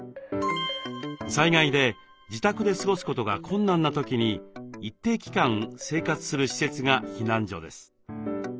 災害で自宅で過ごすことが困難な時に一定期間生活する施設が「避難所」です。